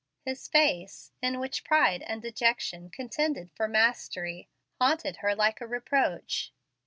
His face, in which pride and dejection contended for mastery, haunted her like a reproach.